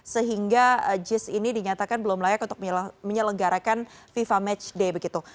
sehingga jis ini dinyatakan belum layak untuk menyelenggarakan fifa matchday begitu